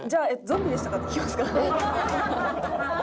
「ゾンビでしたか？」って聞きますか？